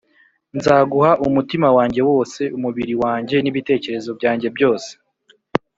nzaguha umutima wanjye wose, umubiri wanjye, n’ibitekerezo byanjye byose